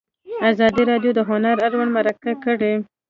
ازادي راډیو د هنر اړوند مرکې کړي.